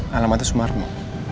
di ktp alamatnya sumarno